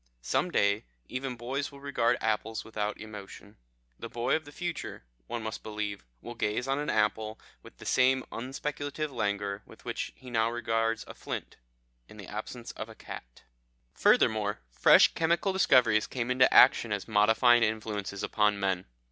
Some day even boys will regard apples without emotion. The boy of the future, one must believe, will gaze on an apple with the same unspeculative languor with which he now regards a flint" in the absence of a cat. "Furthermore, fresh chemical discoveries came into action as modifying influences upon men.